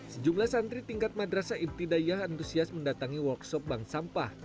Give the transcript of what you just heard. sejumlah santri tingkat madrasa ibti dayah entusias mendatangi workshop bank sampah